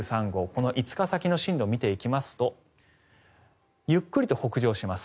この５日先の進路を見ていきますとゆっくりと北上します。